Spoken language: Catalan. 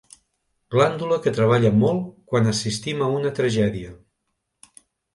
Glàndula que treballa molt quan assistim a una tragèdia.